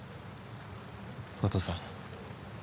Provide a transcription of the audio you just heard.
お義父さん